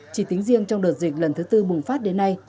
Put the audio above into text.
chỉ tính riêng trong đợt dịch lần thứ tư bùng phát đến nay